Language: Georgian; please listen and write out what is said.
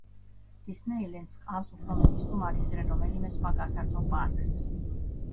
დისნეილენდს ჰყავს უფრო მეტი სტუმარი, ვიდრე რომელიმე სხვა გასართობ პარკს.